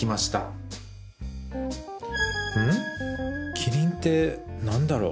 「キリン」って何だろう？